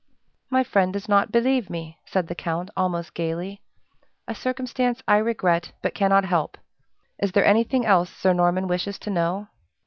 "My friend does not believe me," said the count, almost gayly "a circumstance I regret, but cannot help. Is there anything else Sir Norman wishes to know?"